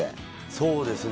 そうですね